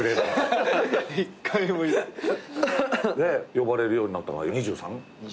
呼ばれるようになったのが２３。